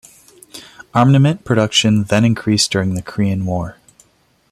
Armament production then increased during the Korean War.